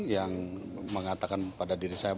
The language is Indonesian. yang mengatakan pada diri saya